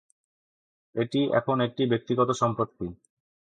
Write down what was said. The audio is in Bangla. এটি এখন একটি ব্যক্তিগত সম্পত্তি।